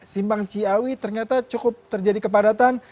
simpang ciawi ternyata cukup terjadi kepadatan